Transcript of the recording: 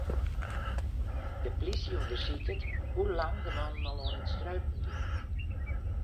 De plysje ûndersiket hoe lang de mannen al oan it streupen wiene.